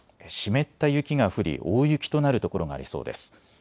湿った雪が降り大雪となる所がありそうです。